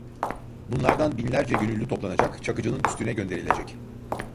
Bunlardan binlerce gönüllü toplanacak, Çakıcı’nın üstüne gönderilecek.